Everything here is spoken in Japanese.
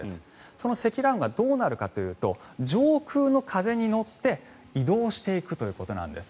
その積乱雲がどうなるかというと上空の風に乗って移動していくということなんです。